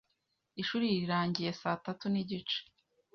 Ishuri rirangiye saa tatu nigice